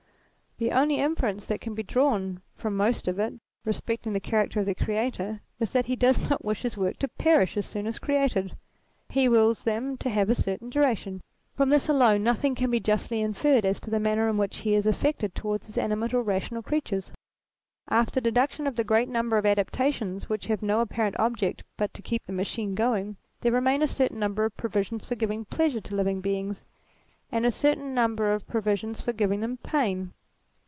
The only inference that can be drawn from most of it, respecting the character of the Creator, is that he does not wish his works to perish as soon as created ; he wills them to have a certain duration. From this alone nothing can be justly inferred as to the manner in which he is affected towards his animate or rational creatures. After deduction of the great number of adaptations which have no apparent object but to keep the machine going, there remain a certain number of provisions for giving pleasure to living beings, and a certain number of provisions for giving them pain.